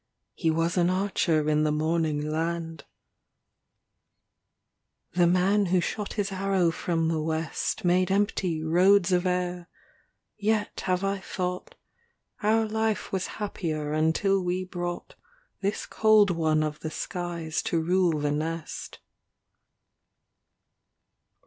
He was an archer in the morning land. THE DIWAN OP ABUŌĆÖL ALA 51 lxxxiv The man who shot his arrow from the west Made empty roads of air ; yet liavo I thought Our life was happier until we brought This cold one of the skies to rule the nest.